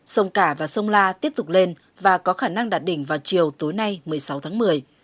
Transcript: sông cả và sông la tiếp tục lên và có khả năng đạt đỉnh vào chiều tối nay một mươi sáu tháng một mươi